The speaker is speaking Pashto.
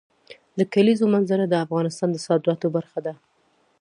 د کلیزو منظره د افغانستان د صادراتو برخه ده.